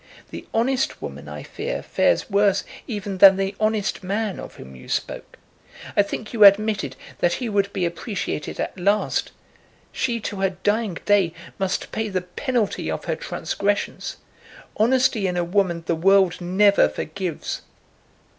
The honest woman, I fear, fares worse even than the honest man of whom you spoke. I think you admitted that he would be appreciated at last. She to her dying day must pay the penalty of her transgressions. Honesty in a woman the world never forgives."